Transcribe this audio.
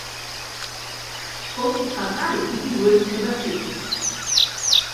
სწორკუთხა კარით იგი უერთდება ციხეს.